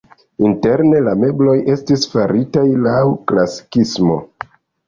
Interne la mebloj estis faritaj laŭ klasikismo.